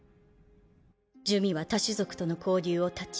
珠魅は多種族との交流を断ち